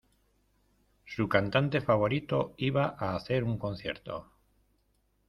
Su cantante favorito iba a hacer un concierto.